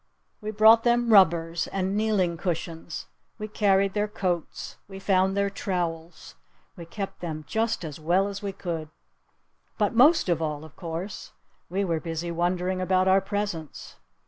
We brought them rubbers. And kneeling cushions. We carried their coats. We found their trowels. We kept them just as well as we could. But, most of all, of course, we were busy wondering about our presents.